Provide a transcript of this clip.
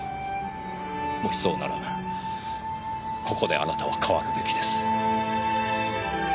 もしそうならここであなたは変わるべきです。